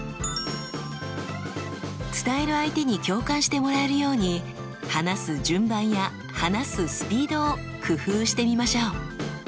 伝える相手に共感してもらえるように話す順番や話すスピードを工夫してみましょう。